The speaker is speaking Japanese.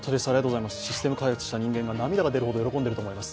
システム開発した人間が涙が出るほど喜んでいると思います。